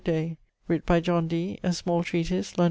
Day writ by John Dee, a small treatise, Lond.